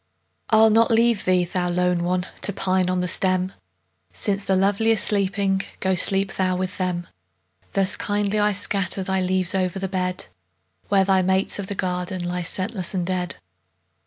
I'll not leave thee, thou lone one! To pine on the stem; Since the lovely are sleeping, Go, sleep thou with them. Thus kindly I scatter Thy leaves o'er the bed, Where thy mates of the garden Lie scentless and dead.